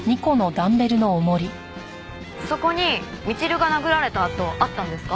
そこにみちるが殴られた跡あったんですか？